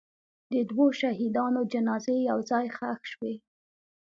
د دوو شهیدانو جنازې یو ځای ښخ شوې.